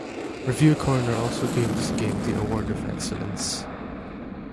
Review Corner also gave this game the Award of Excellence.